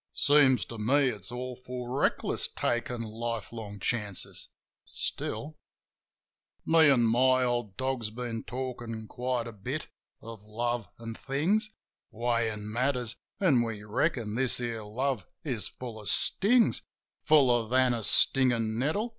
Seems to me it's awful reckless takin' lifelong chances — still ... Me an' my old dog's been talkin' quite a lot — of love an' things : Weighin' matters ; an' we reckon this here love is full of stings, A LONELY MAN 31 Fuller than a stingin' nettle.